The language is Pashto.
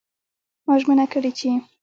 ما ژمنه کړې چې